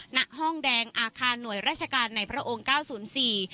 ณห้องแดงอาคารหน่วยราชการในพระองค์เก้าศูนย์สี่